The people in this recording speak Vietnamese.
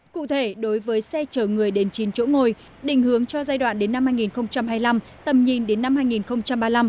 cụ thể đối với xe chở người đến chín chỗ ngồi đình hướng cho giai đoạn đến năm hai nghìn hai mươi năm tầm nhìn đến năm hai nghìn ba mươi năm